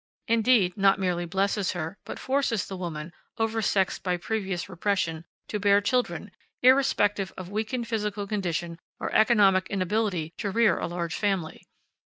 Indeed, not merely blesses her, but forces the woman, oversexed by previous repression, to bear children, irrespective of weakened physical condition or economic inability to rear a large family.